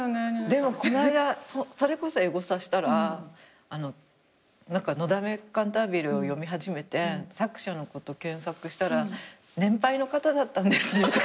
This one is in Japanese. でもこの間それこそエゴサしたら『のだめカンタービレ』を読み始めて作者のこと検索したら年配の方だったんですねって書いてあって。